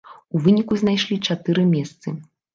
У выніку знайшлі чатыры месцы.